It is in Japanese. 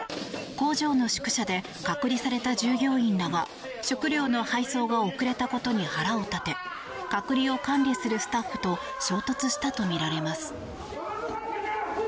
工場の宿舎で隔離された従業員らが食料の配送が遅れたことに腹を立て隔離を管理するスタッフと衝突したとみられます。